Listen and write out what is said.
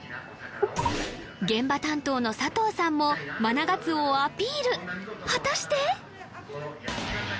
現場担当の佐藤さんもマナガツオをアピール果たして！？